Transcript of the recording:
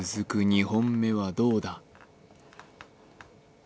２本目はどうだ？